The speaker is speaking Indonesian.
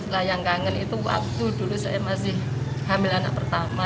layang kangen itu waktu dulu saya masih hamil anak pertama